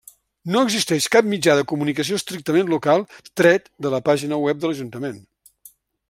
No existeix cap mitjà de comunicació estrictament local tret de la pàgina web de l'Ajuntament.